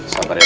sabar ya pak